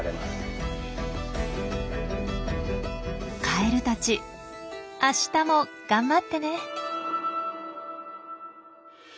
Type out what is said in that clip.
カエルたちあしたも頑張ってね。